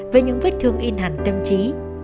với những vết thương yên hẳn tâm trí